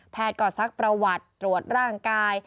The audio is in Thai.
แพทย์ก่อซักประวัติตรวจร่างกาย